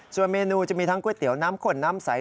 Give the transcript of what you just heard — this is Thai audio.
ส่วนเมนูจะมีทั้งก๋วยเตี๋ยวน้ำข้นน้ำใส